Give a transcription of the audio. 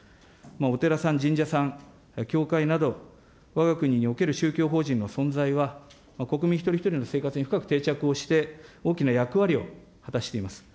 お寺さん、神社さん、教会など、わが国における宗教法人の存在は国民一人一人の生活に深く定着をして、大きな役割を果たしています。